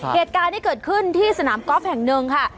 เหตุการณ์ที่เกิดขึ้นที่สนามกอล์ฟแห่งหนึ่งค่ะ